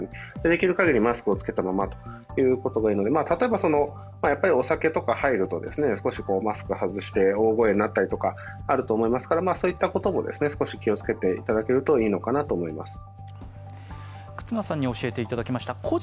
できる限りマスクをつけたままということがいいので例えばお酒とかが入るとマスクを外して大声になったりとかあると思いますからそういったことも少し気をつけていただけるといいのかなと思います。